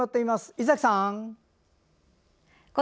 猪崎さん！